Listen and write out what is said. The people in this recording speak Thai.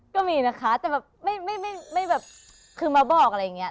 ก็มีนะคะแต่แบบไม่แบบคือมาบอกอะไรอย่างนี้